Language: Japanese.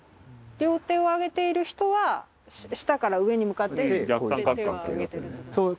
両手をあげている人は下から上に向かって手をあげてるってこと。